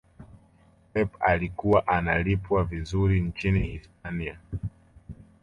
pep alikuwa analipwa vizuri nchini hispania